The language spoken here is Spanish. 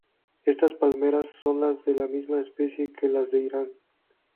Estas palmeras son de la misma especie que las de Irán.